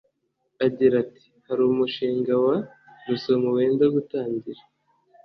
Agira ati “Hari umushinga wa Rusumo wenda gutangira